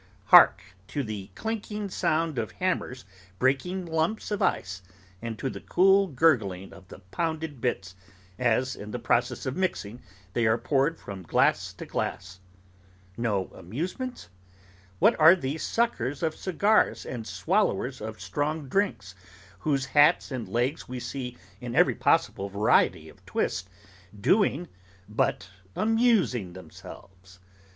Hark! to the clinking sound of hammers breaking lumps of ice, and to the cool gurgling of the pounded bits, as, in the process of mixing, they are poured from glass to glass! No amusements? What are these suckers of cigars and swallowers of strong drinks, whose hats and legs we see in every possible variety of twist, doing, but amusing themselves?